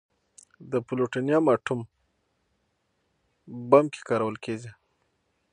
د پلوټونیم اټوم بم کې کارول کېږي.